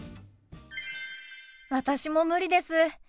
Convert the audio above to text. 私も無理です。